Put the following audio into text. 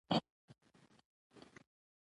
ازادي راډیو د بیکاري په اړه د ننګونو یادونه کړې.